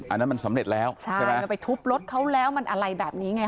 อันนั้นมันสำเร็จแล้วใช่มันไปทุบรถเขาแล้วมันอะไรแบบนี้ไง